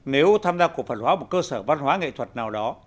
nếu tham gia cổ phần hóa một cơ sở văn hóa nghệ thuật nào đó